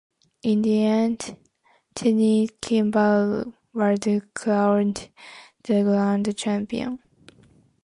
In the end, Cheyenne Kimball was crowned the grand champion.